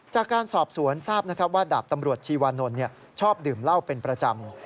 จากการสอบสวนทราบนะครับว่าดาบตำรวจชีวานนท์ชอบดื่มเหล้าเป็นประจำ